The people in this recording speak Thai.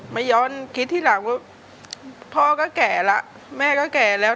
ย้อนคิดทีหลังว่าพ่อก็แก่แล้วแม่ก็แก่แล้ว